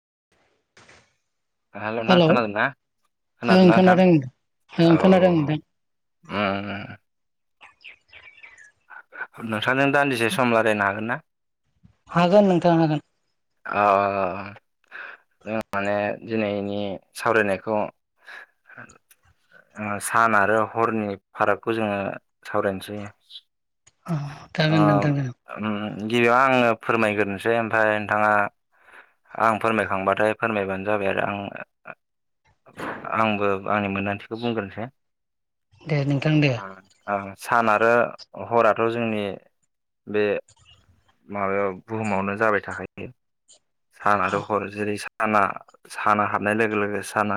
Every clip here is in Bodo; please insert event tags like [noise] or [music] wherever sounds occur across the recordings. [unintelligible] हेल' नोंथां हेलौ सानादोंना ओं खोनादोंना नोंथां खोनादों ओं खोनादों औ नोंथां उम उम [unintelligible] नोंथांजों दान्दिसे सम रायलायनो हागोन ना हागोन नोंथां हागोन अ- अ -अ- अ माने दिनैनि सावरायनायखौ ओ सान आरो हरनि फारागखौ जोङो सावरायनोसै अ आ जागोन नोंथां जागोन ओम गिबियाव आङो फोरमायग्रोसै ओमफ्राय नोंथाङा आं फोरमायखांबाथाय फोरमायबानो जाबाय आरो आं आंबो आंनि मोन्दांथिखौ बुंग्रोनोसै दे नोंथां दे ओ सान आरो हराथ' जोंनि बे माबायाव बुहुमावनो जाबाय थाखायो सान आरो हर जेरै सान साना - साना हाबनाय लोगो लोगो साना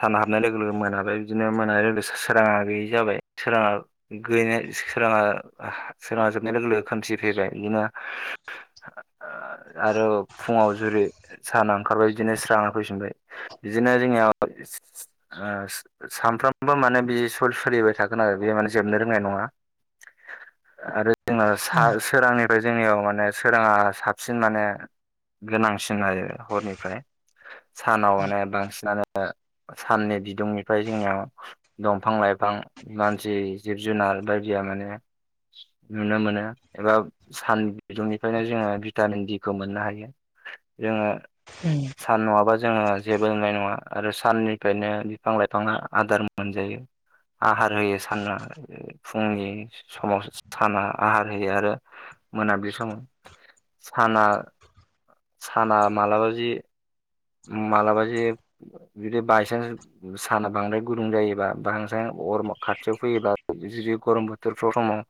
सान हाबनाय लोगो - लोगो मोनाबाय बिदिनो मोनानाय लोगो सोराङा गैयै जाबाय सोराङा गैयै सोराङा सोराङा जोबनाय लोगो- लोगो खोमथि फैबाय बिदिनो आ आरो फुङाव जुरि साना ओंखारबाय बिदिनो स्राङा फैफिनबाय बिदिनो जोंनियाव ओ सानफ्रोमबो माने बि सल सोलिबाय थागोन आरो बे माने जोबनो रोंनाय नङा [inaudible] आरो जोंना अ सोरांनिफ्राय जोंनियाव माने सोराङा साबसिन माने गोनांसिन आरो हरनिफ्राय सानाव माने बांसिनानो दा साननि बिदुंनिफ्राय जोंनियाव दंफां- लाइफां, मानसि, जिब- जुनार बायदिया माने नुनो मोनो एबा सान बिदुंनिफ्रायनो जोङो भिटामिन दी खौ मोननो हायो जोङो सान नङाबा जोङो जेबो नुनाय नङा आरो साननिफ्रायनो बिफां लाइफाङा आदार मोनजायो। आहार होयो साना फुंनि समाव साना आहार होयो आरो मोनाबिलि समाव [inaudible] साना साना मालाबा जि मालाबा जे जुदि बायसान्स साना बांद्राय गुदुं जायोबा बांजां गरमा खाथियाव फैयोब्ला जुदि गरम बोथोरफ्राव समाव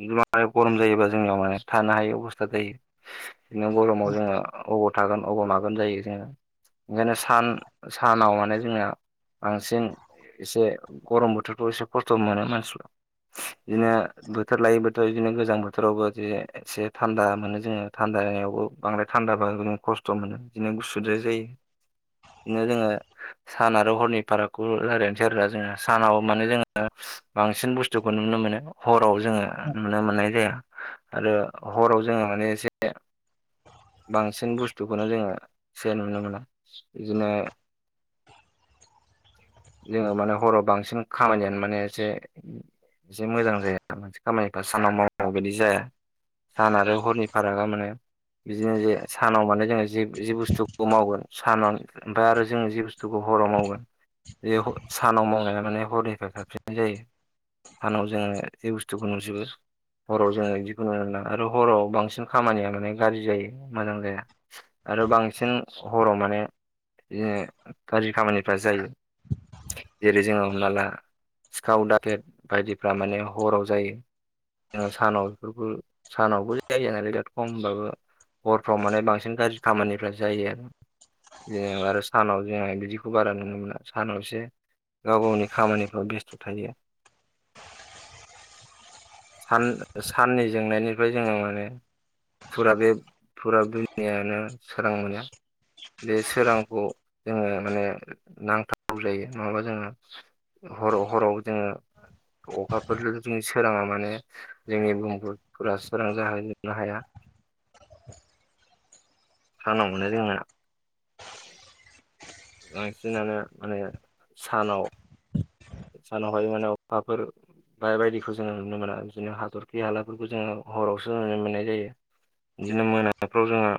गिलु‌ गरम जायोबा जोंनियाव माने थानो हायि अबस्था जायो। बिदिनो गरमाव जोङो अबाव थागोन अबाव मागोन जायो जोङो ओंखायनो सान सानाव माने जोङो बांसिन एसे गरम बोथोरखौ एसे खस्थ' मोनो मानसिफ्रा। बिदिनो बोथोर लायो बोथ' बिदिनो गोजां बोथोरावबोदि एसे थान्दा मोनो जोङो थान्दा रायलायनायावबो बांद्राय थान्दाबा खस्थ' मोनो बिदिनो गुसुद्राय जायो। बिदिनो जोङो सान आरो हरनि फारागखौ रायलायनोसै आरोना जोङो सानाव माने जोङो बांसिन बुस्थुखौ नुनो मोनो हराव जोङो नुनो मोननाय जाया। आरो हराव जोङो माने एसे बांसिन बुस्थुखौनो जोङो जे नुनो मोना इदिनो [inaudible] [inaudible] जोङो माने हराव बांसिन खामानियानो माने एसे एसे मोजां जाया मोनसे खामानिफा मावनाय बादि जाया। सान आरो हरनि फारागा माने बिदिनो जे सानाव माने जोङो जि जि बुस्थु आं सानन आमफाइ आरो जोङो ज बुस्थुखौ हराव मावगोन बे सानाव मावनाय माने हरनिफ्राय साबसिन जायो। सानाव जोङो जे बुस्थुखौ नुजोबो। हराव जोङो जिखुनु आरो ना हराव बांसिन खामानियानो गाज्रि जायो मोजां जाया। आरो बांसिन हराव माने बिदिनो गाज्रि खामानिफ्रा जायो। [inaudible] जेरै जोङो हमना ला सिखाव दाखेट बायदिफ्रा माने हराव जायो। जों सानाव बेफोरखौ सानावबो जायो नालाय दाथ' खम होनबाबो हरफ्राव माने बांसिन गाज्रि खामानिफ्रा जायो आरो। जे आरो सानाव जोंहा बिदिखौ बारा नुनो मोना सानावसो गाव गावनि खामानिफ्राव बेस्थ' थायो। [inaudible] सान साननि जोंनायनिफ्राय जोङो माने फुरा बे फुरा दुनियानो सोरां मोनो। बे सोरांखौ जोङो माने नांथारगौ जायो नङाबा जोङो हर हराव जोङो अखाफोर जों सोराङा माने जोंनि भुमफोरा सोरां जाहो जोबनो हाया। [inaudible] सानाव माने जोंना बांसिनानो माने सानाव सानावहाय माने अखाफोर बाय बायदिखौ जोङो नुनो मोना। बिदिनो हाथरखि हालाफोरखौ जोङो हरावसो नुनो मोननाय जायो। बिदिनो मोनाफ्राव जोंहा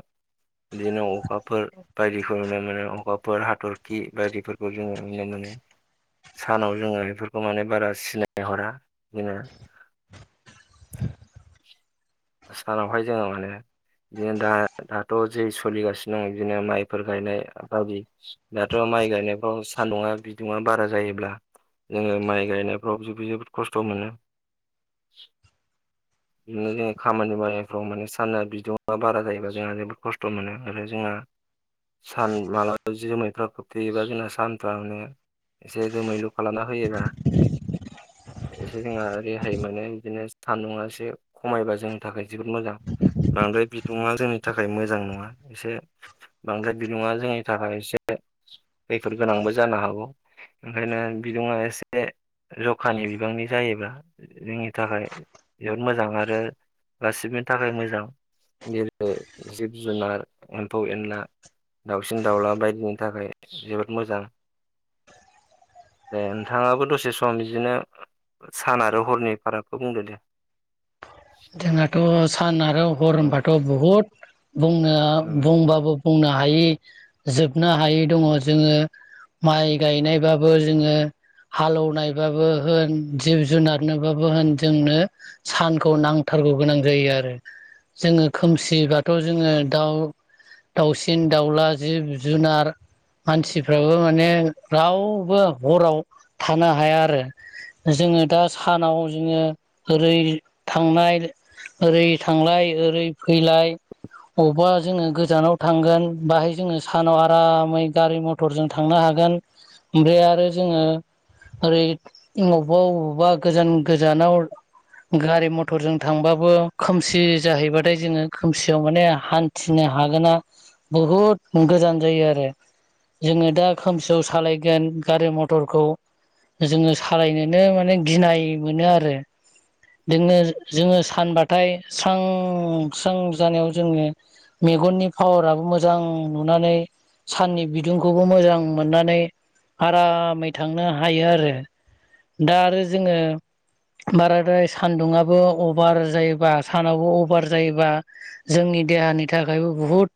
बिदिनो अखाफोर बायदिखौ नुनो मोनो। अखाफोर हाथरखि बायदिफोरखौ जोङो नुनो मोनो। [inaudible] सानाव जोङो इफोरखौ माने बारा सिनायहरा बिदिनो। [inaudible] सानावहाय जोङो माने बिदिनो दा-दाथ' जै सोलिगासिनो दं बिदिनो माइफोर गायनाय बादि दाथ' माइ गायनायफ्राव सान्दुंङा बिदुङा बारा जायोब्ला जोङो माइ गायनायफ्राव जोबोद खस्थ' मोनो। [inaudible] मे [unintelligible] खामानि मावनायफ्राव माने साना बिदुं बारा जायोबा जोंहा जोबोद खस्थ' मोनो आरो जोंहा सान मालाबा जोमैफ्रा खोबथेयोबा जोंना सानफ्रा माने एसे जोमै लु खालामना होयोना एसे जोंहा रेहाय माने इदिनो सानदुङा एसे खमायबासो जोंनि थाखाय जोबोद मोजां बांद्राय बिदुुङा जोंनि थाखाय मोजां नङा एसे बांद्राय बिदुङा जोंनि थाखाय एसे खैफोद गोनांबो जानो हागौ ओंखायनो बिदुङा एसे जखानि बिबांनि जायोब्ला जोंनि थाखाय जोबोद मोजां आरो गासिनि थाखाय मोजां जेरै जिब जुनार एम्फौ एनला दाउसिन दाउला बायदिनि थाखाय जोबोद मोजां [inaudible] दे नोंथाङाबो दसे सम बिदिनो सान आरो हरनि फारागखौ बुंदो दे [inaudible] जोंहाथ' सान आरो हर ओं होनबाथ' बुहुद बुंनो ओं बुंबाबो बुंनो हा हायै जोबनो हायै दङ जोङो माइ गायनायबाबो जोङो हाल एवनायबाबो होन जिब जुनारनोबाबो होन जोंनो सान खौ नांथारगौ गोनां जायो आरो जोङो खोमसिबाथ' जोङो दाउ दाउसिन दाउला जिब जुनार मानसिफ्राबो माने रावबो हराव थानो हाया आरो जोङो दा सानाव जोङो ओरै थांनाय ओरै थांलाय ओरै फैलाय अबबा जोङो गोजानाव थांगोन बाहाय जोङो सानाव आरामै गारि मथरजों थांनो हा गोन ओमफ्राय आरो जोङो ओरै अबबा अबबा गोजान गोजानाव गारि मथर जों थांबाबो खोमसि जाहैबाथाय जोङो खोमसियाव माने हान्थिनो हा गोना बुहुद गोजान जायो आरो जोङो दा खोमसियाव सालायगोन गारि मथरखौ जोङो सालायनोनो माने गिनाय मोनो आरो जोंनो जोङो सानबाथाय सां सां जानायाव जोङो मेगननि नि पावाराबो मोजां नुनानै साननि बिदुंखौबो मोजां मोननानै आरामै थांनो हायो आरो दा आरो जोङो बाराद्राय सान्दुङाआबो अभार जायोबा सानावबो अभार जायोबा जोंनि देहानि थाखायबो बहुत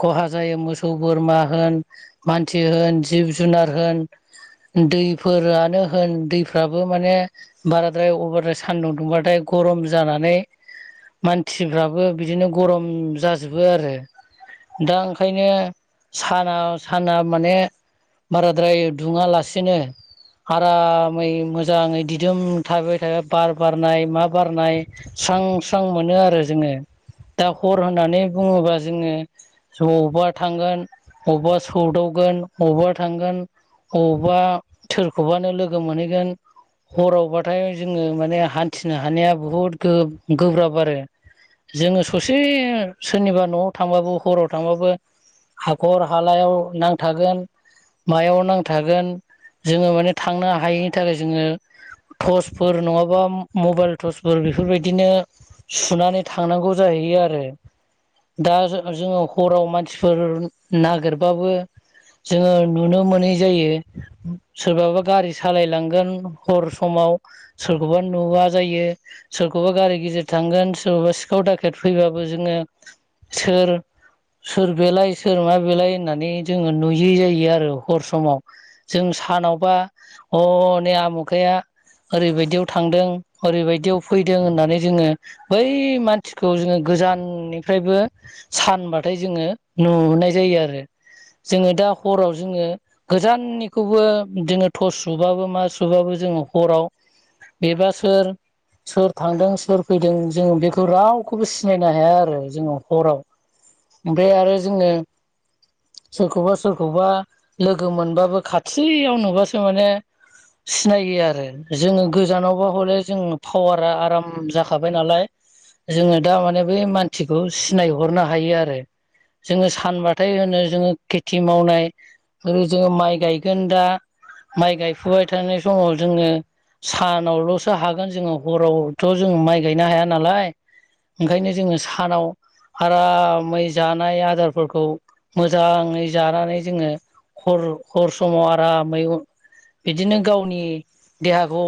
खहा जायो मोसौ बोरमा होन मानसि होन जिब जुनार होन दैफोरानो होन दैफ्राबो माने बाराद्राय अभारद्राय सान्दुं दुंबाथाय गरम जानानै मानथिग्राबो बिदिनो गरम जाजोबो आरो दा ओंखायनो साना-साना माने बाराद्राय दुङालासिनो आरामै मोजाङै दिदोम थाबाय-थाबाय बार बारनाय मा बारनाय स्रां-स्रां मोनो आरो जोङो। दा हर होननानै बुङोबा जोङो जबा थांगोन अवबा सौदावगोन अवबा थांगोन अवबा सोरखौबानो लोगो मोनहैगोन हरावबाथाय जोङो माने हान्थिनो हानाया बहुत गो-गोब्राब आरो जोङो ससे सोरनिबा न'आव थांबाबो हराव थांबाबो हाखर हालायाव नांथागोन। मायाव नांथागोन जोङो माने थांनो हायैनि थाखाय जोङो टस फोर नङाबा मबाइल टर्चफोर बेफोरबायदिनो सुनानै थांनांगौ जाहैयो आरो। दा जो-जोङो हराव मानसिफोर नागिरबाबो जोङो नुनो मोनै जायो सोरबाबा गारि सालायलांगोन हर समाव सोरखौबा नुवा जायो सोरखौबा गारि गेजेर थांगोन सोरखौबा सिखाव दाखेेट फैबाबो जोङो सोर सोर बेलाय सोर मा बेलाय होननानै जोङो नुयै जायो आरो हर समाव जों सानावबा हनै आमुखाया ओरैबायदियाव थांदों ओरैबायदियाव फैदों होननानै जोङो बै मानसिखौ जोङो गोजा जाननिफ्रायबो सानबाथाय जोङो नुहुरनाय नाय जायो आरो। जोङो दा हराव जोङो गोजाननिखौबो जोङो थर्स सुबाबो मा सुबाबो जोङो हराव बेबा सोर सोर थांदों सोर फैदों जोङो बेखौ रावखौबो सिनायनो हाया आरो जोङो हराव। ओमफ्राय आरो जोङो सोरखौबा सोरखौबा लोगो मोनबाबो खाथियाव नुबासो माने सिनायो आरो जोङो गोजानावबा हले जों पावारा आराम जाखाबाय नालाय। जोङो दा माने बै मानसिखौ सिनायहरनो हायो आरो। जोङो सानबाथाय होनो जोङो खेथि मावनाय ओरै जोङो माइ गायगोन दा माइ गायफुबाय थानाय समाव जोङो सानावल'सो हागोन जोङो हरावथ' जों माइ गायनो हाया नालाय। ओंखायनो जोङो सानाव आरामै जानाय आदारफोरखौ मोजाङै जानानै जोङो हर हर समाव आरामै बिदिनो गावनि देहाखौ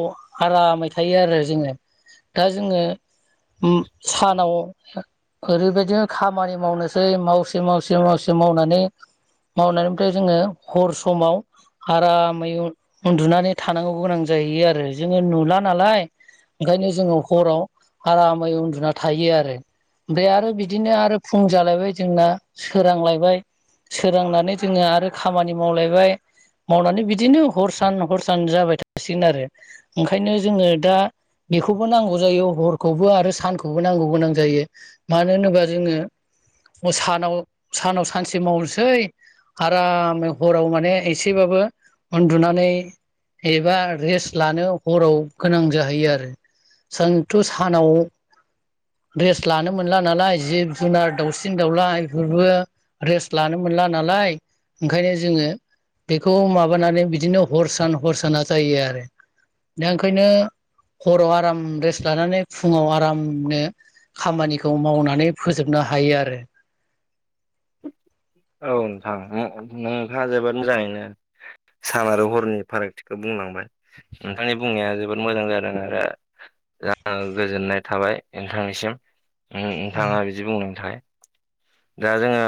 आरामै थायो आरो जोङो दा जोङो उम सानाव ओरैबायदिनो खामानि मावनोसै मावसे मावसे मावसे मावनानै मावनानैफ्राय जोङो हर समाव आरामै उ-उन्दुनानै थानांगौ गोनां जाहैयो आरो जोङो नुला नालाय। ओंखायनो जोङो हराव आरामै उन्दुना थायो आरो ओमफ्राय आरो बिदिनो आरो। फुं जालायबाय जोंना सोरांलायबाय सोरांनानै जोङो आरो खामानि मावलायबाय। मावनानै बिदिनो हर सान हर सान जाबाय थासिगोन आरो ओंखायनो जोङो दा बेखौबो नांगौ जायो हरखौबो आरो सानखौबो नांगौ गोनां जायो मानो होनोबा जोङो अ सानाव सानाव सानसे मावनोसै आरामै हराव माने एसेबाबो उन्दुनानै एबा रेस्ट लानो हराव गोनां जाहैयो आरो। जोंथ' सानाव रेस लानो मोनला नालाय जिब जुनार दाउसिन दाउला बेफोरबो रेस्ट लानो मोनला नालाय। ओंखायनो जोङो बेखौ माबानानै बिदिनो हर सान हर साना जायो आरो। दा ओंखायनो हराव आराम रेस्ट लानानै फुङाव आरामनो खामानिखौ मावनानै फोजोबनो हायो आरो। औ नोंथां नो नों नोंथाङा जोबोद मोजाङैनो सान आरो हरनि फारागथिखौ बुंलांबाय नोंथांनि बुंनाया जोबोद मोजां जादों आरो [unintelligible] गोजोननाय थाबाय नोंथांनिसिम नोंथाङा बिदि बुंनायनि थाखाय। दा जोङो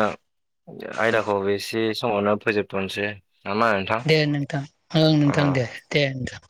आयदाखौ बेसे समावनो फोजोबथ'नोसै। नामा नोंथां दे नोंथां ओं नोंथां अ दे दे नोंथां।